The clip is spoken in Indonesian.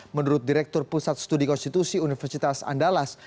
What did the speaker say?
menurut direktur pusat studi konstitusi universitas andalas